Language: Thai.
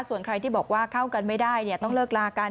ส่วนใครที่บอกว่าเข้ากันไม่ได้ต้องเลิกลากัน